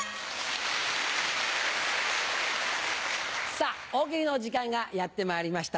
さぁ大喜利の時間がやってまいりました。